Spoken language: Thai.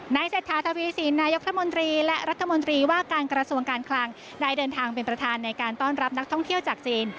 เศรษฐาทวีสินนายกรัฐมนตรีและรัฐมนตรีว่าการกระทรวงการคลังได้เดินทางเป็นประธานในการต้อนรับนักท่องเที่ยวจากจีน